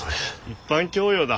一般教養だ。